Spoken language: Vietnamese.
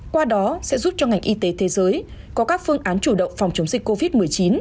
qua đó sẽ giúp cho ngành y tế thế giới có các phương án chủ động phòng chống dịch covid một mươi chín